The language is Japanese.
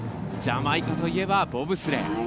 ジャマイカといえばボブスレー。